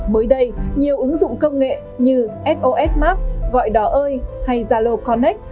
mới đây nhiều ứng dụng công nghệ như sos map gọi đỏ ơi hay zalo connect